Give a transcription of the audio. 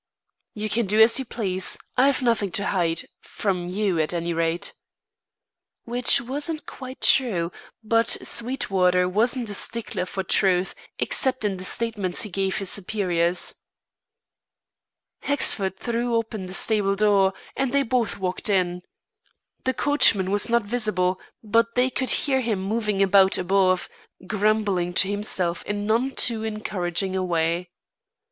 "You can do as you please. I've nothing to hide from you, at any rate." Which wasn't quite true; but Sweetwater wasn't a stickler for truth, except in the statements he gave his superiors. Hexford threw open the stable door, and they both walked in. The coachman was not visible, but they could hear him moving about above, grumbling to himself in none too encouraging a way.